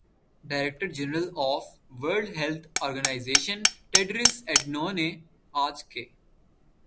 director general of world health organization Tedros Adhanom نے آج کہ